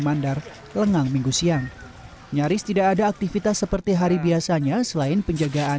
mandar lengang minggu siang nyaris tidak ada aktivitas seperti hari biasanya selain penjagaan